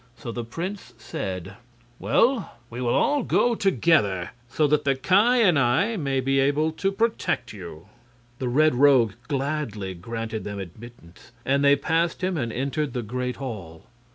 So the prince said: "Well, we will all go together, so that the Ki and I may be able to protect you." The Red Rogue gladly granted them admittance, and they passed him and entered the great hall.